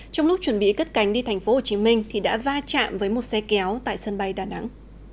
trong lúc chuẩn bị cất cánh đi tp hcm thì đã va chạm với một xe kéo tại sân bay đà nẵng